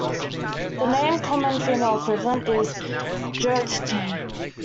The name's common female equivalent is 'Geertje'.